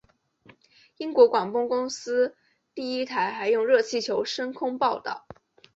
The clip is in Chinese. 英国广播公司第一台还用热气球升空报导。